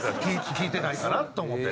聞いてないかなと思ってね。